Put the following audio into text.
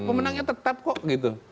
pemenangnya tetap kok gitu